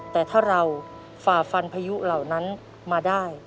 แต่ถ้าเราฝ่าฟันพายุเหล่านั้นมาได้